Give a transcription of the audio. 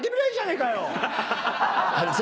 あのさ。